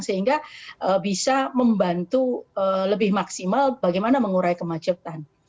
sehingga bisa membantu lebih maksimal bagaimana mengurai kemacetan